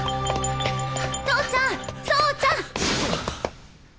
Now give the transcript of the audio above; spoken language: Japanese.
投ちゃん走ちゃん！